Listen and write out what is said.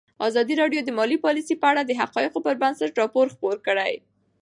ازادي راډیو د مالي پالیسي په اړه د حقایقو پر بنسټ راپور خپور کړی.